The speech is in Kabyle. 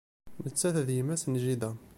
Nettat d yemma-s n jida.